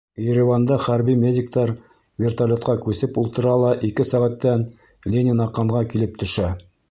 Ереванда хәрби медиктар вертолетҡа күсеп ултыра ла ике сәғәттән Ленинаканға килеп төшә.